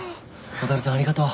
蛍さんありがとう。